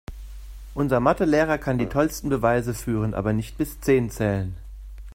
Unser Mathe-Lehrer kann die tollsten Beweise führen, aber nicht bis zehn zählen.